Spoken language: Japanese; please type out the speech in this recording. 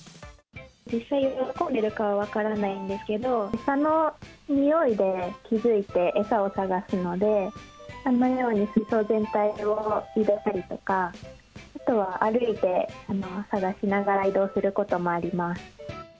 実際、喜んでいるかは分からないんですけど、餌のにおいで気付いて、餌を探すので、あのように、水槽全体を移動したりとか、あとは歩いて探しながら移動することもあります。